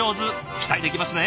期待できますね。